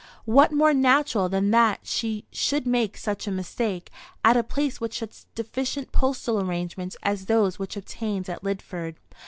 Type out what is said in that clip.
What more natural than that she should make such a mistake, at a place with such deficient postal arrangements as those which obtained at Lidford?